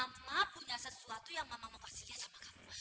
mama punya sesuatu yang memang mau kasih dia sama kamu